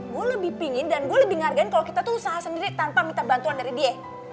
gue lebih pingin dan gue lebih ngargain kalau kita tuh usaha sendiri tanpa minta bantuan dari dia